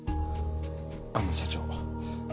あの社長。